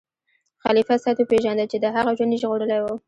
خلیفه سید وپیژنده چې د هغه ژوند یې ژغورلی و.